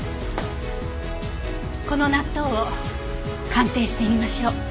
この納豆を鑑定してみましょう。